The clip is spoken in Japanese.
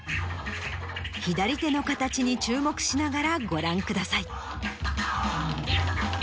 左手の形に注目しながらご覧ください。